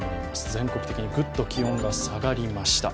全国的にぐっと気温が下がりました。